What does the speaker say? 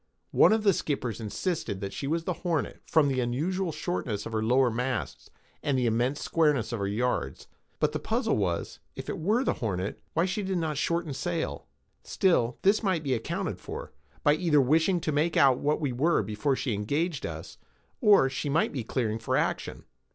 One of the skippers insisted that she was the Hornet, from the unusual shortness of her lower masts, and the immense squareness of her yards. But the puzzle was, if it were the Hornet, why she did not shorten sail. Still this might be accounted for, by her either wishing to make out what we were before she engaged us, or she might be clearing for action.